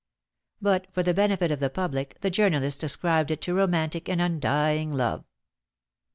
But for the benefit of the public the journalists ascribed it to romantic and undying love.